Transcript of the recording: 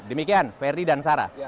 demikian ferry dan sarah